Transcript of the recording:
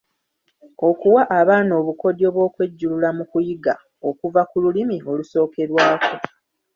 Okuwa abaana obukodyo bw’okwejjulula mu kuyiga okuva ku Lulimi olusookerwako.